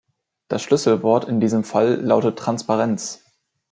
Das Schlüsselwort in diesem Fall lautet Transparenz.